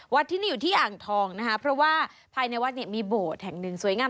ที่นี่อยู่ที่อ่างทองนะคะเพราะว่าภายในวัดเนี่ยมีโบสถ์แห่งหนึ่งสวยงาม